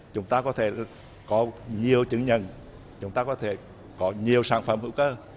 chúng ta có thể có nhiều chứng nhận chúng ta có thể có nhiều sản phẩm hữu cơ